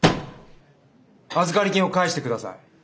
預かり金を返してください。